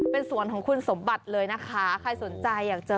เป็นสวนของคุณสมบัติเลยนะคะใครสนใจอยากจะ